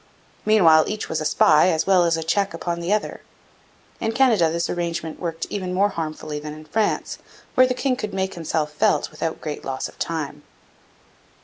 Meanwhile each was a spy as well as a check upon the other. In Canada this arrangement worked even more harmfully than in France, where the king could make himself felt without great loss of time.